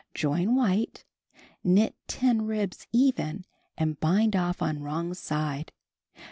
Join white, knit 10 ribs even and bind off on wrong side.